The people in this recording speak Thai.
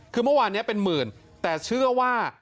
คือเมื่อวานนี้เป็นหมื่นแต่เชื่อว่า